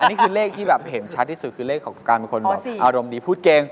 อันนี้คือเลขที่เห็นชัดที่สุดคือเลขของมีคนบอกอารมณ์ดีพูดเก่ง